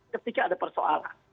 ketika ada persoalan